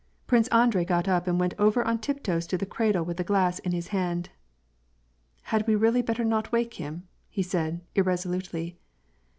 Prince Andrei got up and went over on tiptoes to the cradle with the glass in his hand. " Had we really better not wake him," said he, irresolutely.